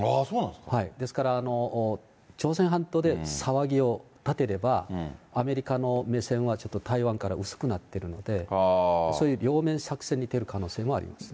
ですから、朝鮮半島で騒ぎを立てれば、アメリカの目線はちょっと台湾から薄くなってるので、そういう両面作戦に出る可能性もありますね。